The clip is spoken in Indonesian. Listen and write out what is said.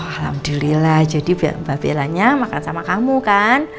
alhamdulillah jadi mbak bellanya makan sama kamu kan